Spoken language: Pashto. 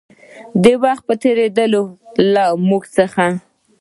د وخـت پـه تېـرېدو لـه مـوږ څـخـه